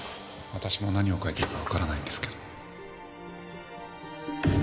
私も何を描いてるかわからないんですけど。